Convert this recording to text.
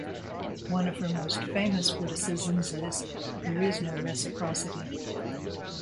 One of her most famous witticisms is: There is no reciprocity.